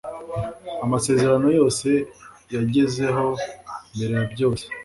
amasezerano yose yagezeho mbere yabyose